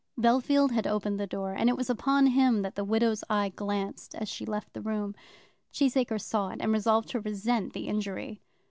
Bellfield had opened the door, and it was upon him that the widow's eye glanced as she left the room. Cheesacre saw it, and resolved to resent the injury.